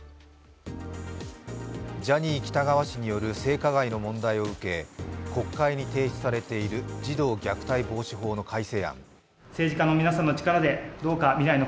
ジャニー喜多川氏による性加害の問題を受け、国会に提出されている児童虐待防止法の改正案。